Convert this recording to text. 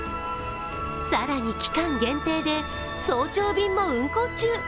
更に期間限定で早朝便も運行中。